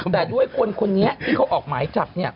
แต่โดยคนคนนี้ที่เขาออกมายจับ